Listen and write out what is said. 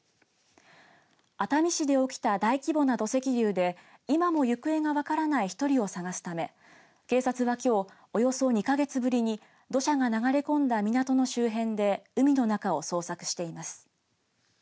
熱海市で起きた大規模な土石流で今も行方が分からない１人を捜すため警察はきょうおよそ２か月ぶりに土砂が流れ込んだ港の周辺で海の中を捜索しています。